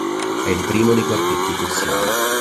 È il primo dei Quartetti prussiani.